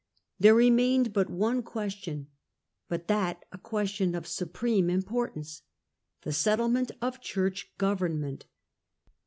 There remained but one question, but that a question of supreme importance the settlement of Church govern ment.